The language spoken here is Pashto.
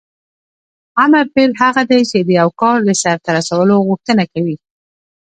امر فعل هغه دی چې د یو کار د سرته رسولو غوښتنه کوي.